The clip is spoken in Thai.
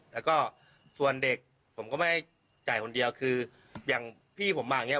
แล้วก็ส่วนเด็กผมก็ไม่ได้จ่ายคนเดียวคืออย่างพี่ผมมาอย่างเง